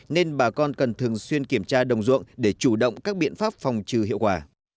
nên bà con cần thường xuyên kiểm tra đồng ruộng để chủ động các biện pháp phòng trừ hiệu quả